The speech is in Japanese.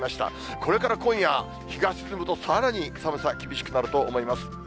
これから今夜、日が沈むとさらに寒さ、厳しくなると思います。